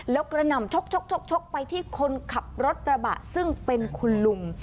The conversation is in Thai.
แล้วกระหน่ำชกไปที่คนขับรถกระบะซึ่งเป็นคุณลุง